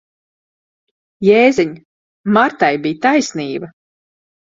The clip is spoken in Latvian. Jēziņ! Martai bija taisnība.